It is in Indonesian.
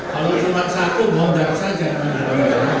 kalau cuma satu gondang saja